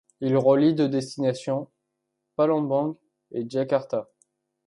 Il relie deux destinations, Palembang et Jakarta.